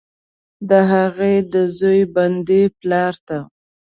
د هغې، د زوی، بندي پلارته،